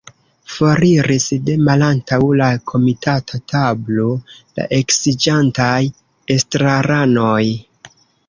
Foriris de malantaŭ la komitata tablo la eksiĝantaj estraranoj.